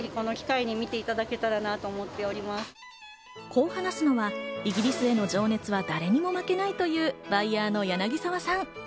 こう話すのはイギリスへの情熱は誰にも負けないというバイヤーの柳澤さん。